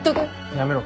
やめろ。